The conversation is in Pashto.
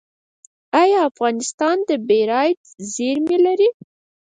آیا افغانستان د بیرایت زیرمې لري؟